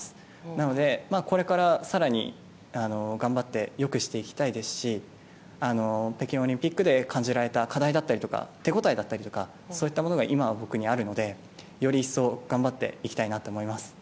なので、これから更に頑張って良くしていきたいですし北京オリンピックで感じられた課題だったりとか手応えだったりとかそういったものが今の僕にあるのでより一層頑張っていきたいなと思います。